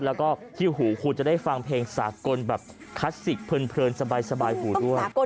แล้วคุณจะได้ฟังเพลงสากลคาสสิกผลินสบายหูด้วย